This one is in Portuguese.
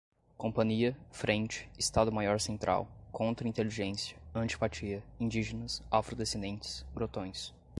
companhia, frente, estado-maior central, contra-inteligência, antipatia, indígenas, afrodescendentes, grotões